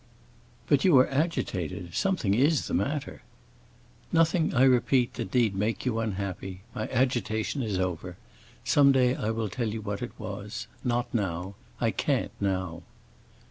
"But you are agitated. Something is the matter." "Nothing, I repeat, that need make you unhappy. My agitation is over. Some day I will tell you what it was; not now. I can't now!"